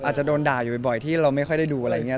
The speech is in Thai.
อาจจะโดนด่าอยู่บ่อยที่เราไม่ค่อยได้ดูอะไรอย่างนี้